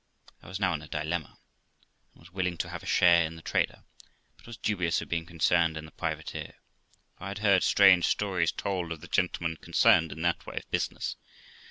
I was now in a dilemma, and was willing to have a share in the trader, but was dubious of being concerned in the privateer; for 1 had heard strange stories told of the gentlemen concerned in that way of business.